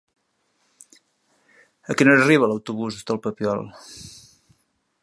A quina hora arriba l'autobús del Papiol?